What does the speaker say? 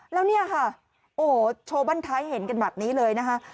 แล้วเนี่ยค่ะโอ้โหโชว์บ้านท้ายเห็นกันแบบนี้เลยนะคะ